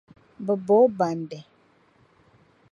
Bɛ ba o bandi.